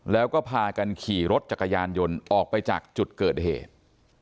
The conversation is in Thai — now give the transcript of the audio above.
แล้วก็พากันขี่รถจักรยานยนต์ออกไปจากจุดเกิดเหตุ